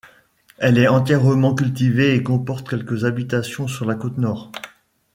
Elle est entièrement cultivée et comporte quelques habitations sur la côte nord.